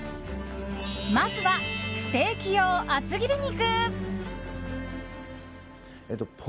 まずはステーキ用厚切り肉。